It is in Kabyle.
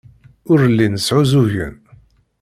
Ur llin sɛuẓẓugen.